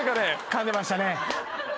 かんでましたね。